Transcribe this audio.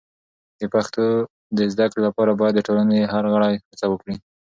د پښتو د زده کړې لپاره باید د ټولنې هر غړی هڅه وکړي.